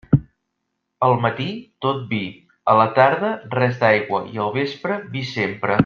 Al matí, tot vi; a la tarda, res d'aigua, i al vespre, vi sempre.